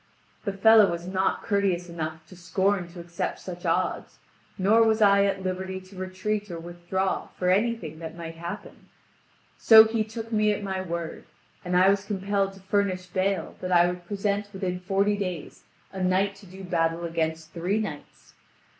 The fellow was not courteous enough to scorn to accept such odds, nor was I at liberty to retreat or withdraw for anything that might happen. So he took me at my word, and I was compelled to furnish bail that I would present within forty days a knight to do battle against three knights.